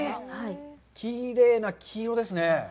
きれいな金色ですね。